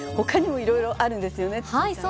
他にもいろいろあるんですよね。